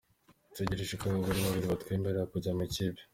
Dutegereje ko abagore babiri batwemerera kujya mu ikipe.